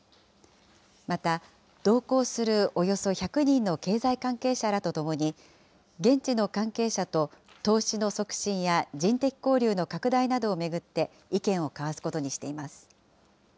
また、同行するおよそ１００人の経済関係者らとともに、現地の関係者と投資の促進や人的交流の拡大などを巡って意見を交わすことにしています。